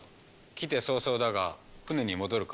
来て早々だが船に戻るか。